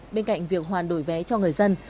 bên cạnh việc hoàn đổi vé cho người dân